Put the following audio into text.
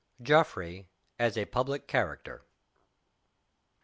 GEOFFREY AS A PUBLIC CHARACTER.